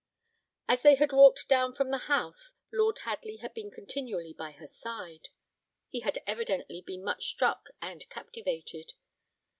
As they had walked down from the house, Lord Hadley had been continually by her side. He had evidently been much struck and captivated.